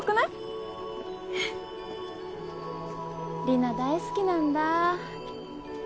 リナ大好きなんだぁ。